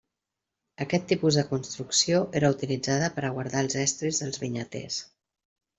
Aquest tipus de construcció era utilitzada per a guardar els estris dels vinyaters.